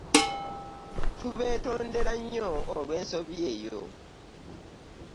Tubeetondera nnyo olw'ensobi eyo.